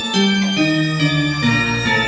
รักเธอรักเธอ